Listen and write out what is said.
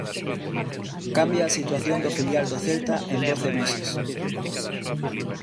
Cambia a situación do filial do Celta en doce meses.